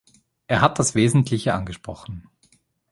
Er hat das Wesentliche angesprochen.